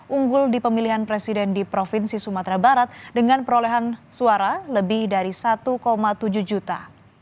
unggul di pemilihan presiden di provinsi sumatera barat dengan perolehan suara lebih dari satu tujuh juta